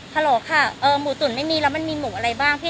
โหลค่ะหมูตุ๋นไม่มีแล้วมันมีหมูอะไรบ้างพี่